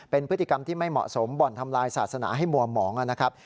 เป็นพฤติกรรมที่ไม่เหมาะสมบ่อนทำลายศาสนาให้มัวหมองนะครับ